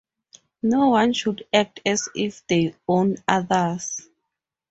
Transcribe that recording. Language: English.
No one should act as if they own others.